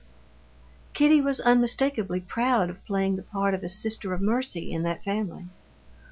Kitty was unmistakably proud of playing the part of a sister of mercy in that family.